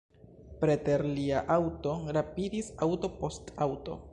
Preter lia aŭto rapidis aŭto post aŭto.